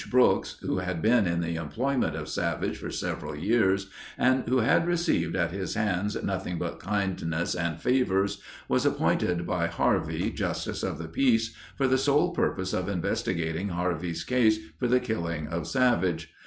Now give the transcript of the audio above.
Brooks, who had been in the employment of Savage for several years, and who had received at his hands nothing but kindness and favors, was appointed by Harvey, Justice of the Peace, for the sole purpose of investigating Harvey's case for the killing of Savage.